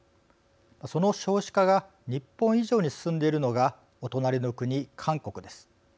その少子化が日本以上に進んでいるのがお隣の国、韓国です。